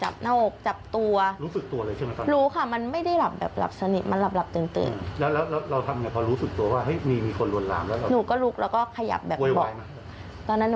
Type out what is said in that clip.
อ๋อหายหายครับนี่ครับซื้อเมื่อเพิ่งได้๒เดือน